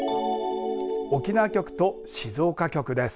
沖縄局と静岡局です。